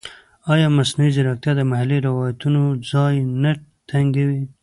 ایا مصنوعي ځیرکتیا د محلي روایتونو ځای نه تنګوي؟